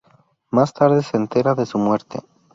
Más tarde se entera de su muerte.